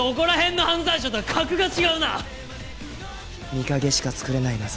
美影しか作れない謎。